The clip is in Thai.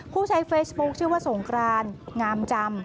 ผู้ใช้เฟซบุ๊คชื่อว่าสงกรานงามจำ